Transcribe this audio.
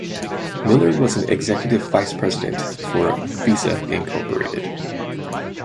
Miller was an executive vice president for Visa Inc.